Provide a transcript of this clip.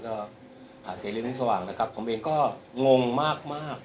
อาเซรินุสว่างก็งงมาก